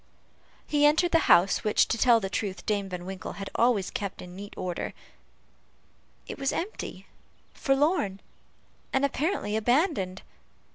He entered the house, which, to tell the truth, Dame Van Winkle had always kept in neat order. It was empty, forlorn, and apparently abandoned.